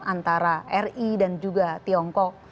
antara ri dan juga tiongkok